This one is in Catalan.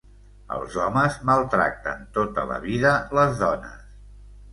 Els homes maltracten tota la vida les dones.